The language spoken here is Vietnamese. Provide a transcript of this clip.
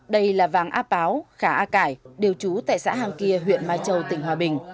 đây là vàng a páo khả a cải đều trú tại xã hàng kia huyện mai châu tỉnh hòa bình